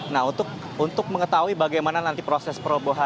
nah untuk mengetahui bagaimana nanti proses perobohan